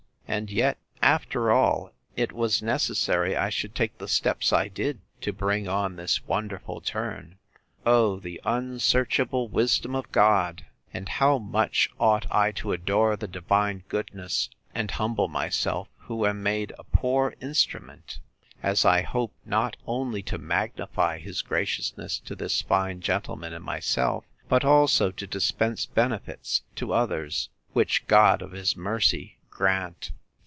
And yet, after all, it was necessary I should take the steps I did, to bring on this wonderful turn: O the unsearchable wisdom of God!—And how much ought I to adore the divine goodness, and humble myself, who am made a poor instrument, as I hope, not only to magnify his graciousness to this fine gentleman and myself, but also to dispense benefits to others! Which God of his mercy grant!